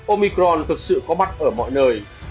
omicron thực sự có mặt ở mọi nơi